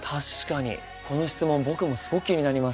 この質問僕もすごく気になります。